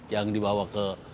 yang dibawa ke